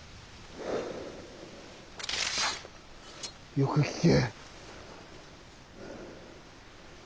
よく聞け。